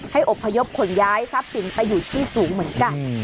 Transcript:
อบพยพขนย้ายทรัพย์สินไปอยู่ที่สูงเหมือนกัน